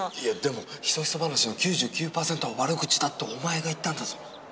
いやでもヒソヒソ話の９９％は悪口だってお前が言ったんだぞ。